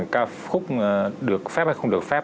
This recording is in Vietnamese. ca khúc được phép hay không được phép